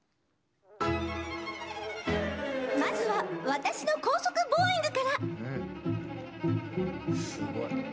まずは私の高速ボーイングから！